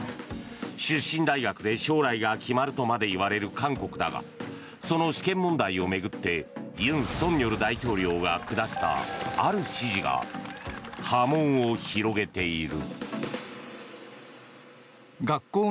出身大学で将来が決まるとまでいわれる韓国だがその試験問題を巡って尹錫悦大統領が下したある指示が波紋を広げている。